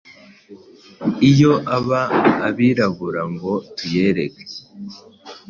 iyo aba abirabura ngo tuyereke,